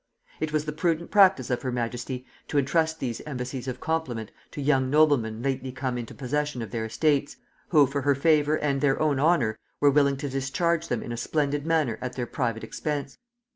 It was the prudent practice of her majesty to intrust these embassies of compliment to young noblemen lately come into possession of their estates, who, for her favor and their own honor, were willing to discharge them in a splendid manner at their private expense.